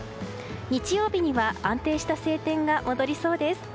日曜日には安定した晴天が戻りそうです。